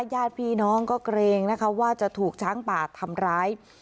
ญาติพี่น้องก็เกรงนะคะว่าจะถูกช้างป่าทำร้าย